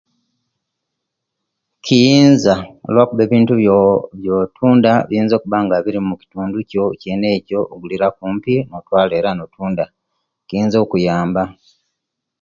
Kiyinza lwakuba ebintu ebyo ebyo ebyotunda binyinza okuba biri mukitundu kyo ogulira kumpi notwala notunda kiyinza okuyamba